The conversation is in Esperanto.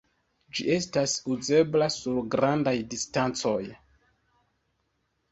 Ĝi estas uzebla sur grandaj distancoj.